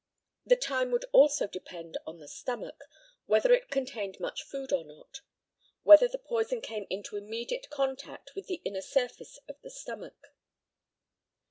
The time would also depend on the stomach, whether it contained much food or not, whether the poison came into immediate contact with the inner surface of the stomach.